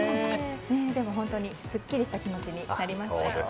でも、本当にすっきりした気持ちになりました。